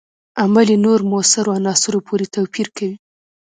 عمل یې نورو موثرو عناصرو پورې توپیر کوي.